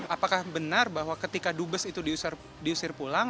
apakah benar bahwa ketika dubes itu diusir pulang